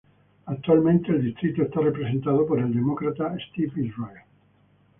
Actualmente el distrito está representado por el Demócrata Steve Israel.